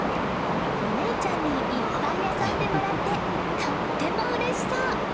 お姉ちゃんにいっぱい遊んでもらってとっても嬉しそう。